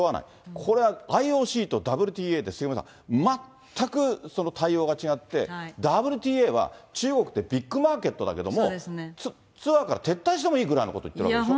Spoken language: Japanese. これはＩＯＣとＷＴＡで杉山さん、全くその対応が違って、ＷＴＡは中国でビッグマーケットだけれども、ツアーから撤退してもいいぐらいのことをいってるわけでしょ。